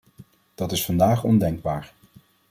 Dat is vandaag ondenkbaar.